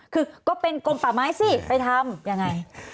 คือก็เป็นกลมป่าไม้สิไปทำยังไง